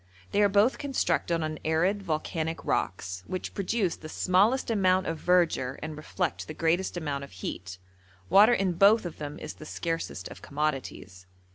They are both constructed on arid, volcanic rocks, which produce the smallest amount of verdure and reflect the greatest amount of heat; water in both of them is the scarcest of commodities.